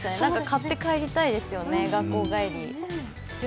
買って帰りたいですよね、学校帰り。